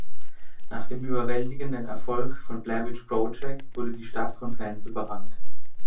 Nach dem überwältigenden Erfolg von "Blair Witch Project" wurde die Stadt von Fans überrannt.